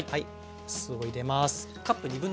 お酢を入れます。